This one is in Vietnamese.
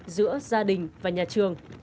giữa gia đình và nhà trường